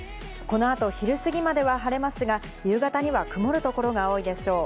この後、昼過ぎまでは晴れますが、夕方には曇る所が多いでしょう。